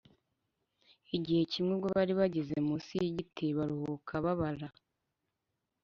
Igihe kimwe, ubwo bari bageze munsi y’igiti baruhuka, babara